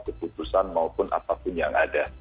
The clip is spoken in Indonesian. keputusan maupun apapun yang ada